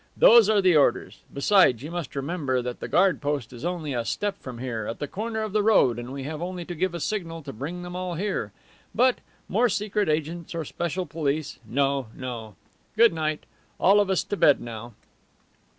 Those are the orders. Besides, you must remember that the guard post is only a step from here, at the corner of the road, and we have only to give a signal to bring them all here. But more secret agents or special police no, no! Good night. All of us to bed now!"